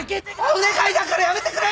お願いだからやめてくれ！